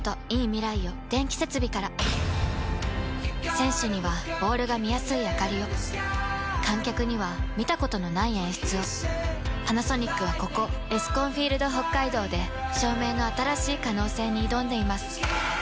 選手にはボールが見やすいあかりを観客には見たことのない演出をパナソニックはここエスコンフィールドＨＯＫＫＡＩＤＯで照明の新しい可能性に挑んでいます